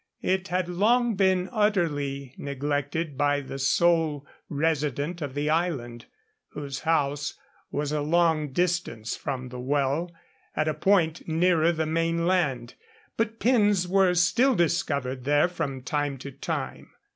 It had long been utterly neglected by the sole resident of the island, whose house was a long distance from the well, at a point nearer the main land; but pins were still discovered there from time to time.